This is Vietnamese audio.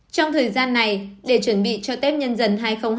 trong thời gian này để chuẩn bị cho tết nhân dần hai nghìn hai mươi hai